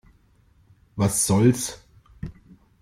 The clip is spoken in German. Was soll's?